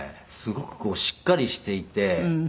すごくしっかりしていて。